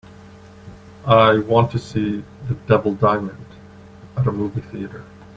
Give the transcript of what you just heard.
I want to see The Devil Diamond at a movie theatre.